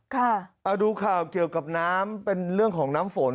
ค่ะเอาดูข่าวเกี่ยวกับน้ำเป็นเรื่องของน้ำฝน